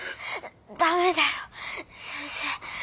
駄目だよ先生。